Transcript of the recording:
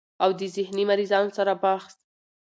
او د ذهني مريضانو سره بحث